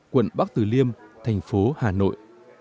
quận bắc từ liêm thành phố hà nội